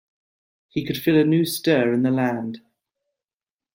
He could feel a new stir in the land.